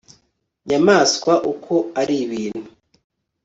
Nyamwasa uko ari ibintu